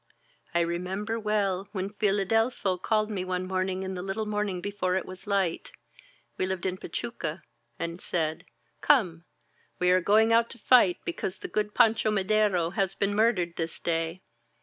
I remember well when Filadelfo called to me one morning in the little morning before it was light — ^we lived in Pachuca — and said : *Come ! we are going out to fight because the good Pancho Madero has been mur dered this day!'